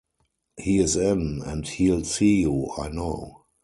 He is in, and he’ll see you, I know.